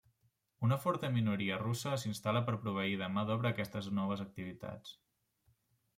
Una forta minoria russa s'instal·la per proveir de mà d'obra aquestes noves activitats.